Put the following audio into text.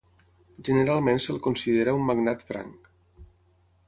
Generalment se'l considera un magnat franc.